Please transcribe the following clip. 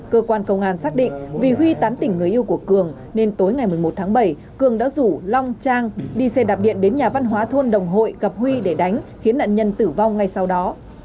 cơ quan công an xác định vì huy tán tỉnh người yêu của cường nên tối ngày một mươi một tháng bảy cường đã rủ long trang đi xe đạp điện đến nhà văn hóa thôn đồng hội gặp huy để đánh khiến nạn nhân tử vong ngay sau đó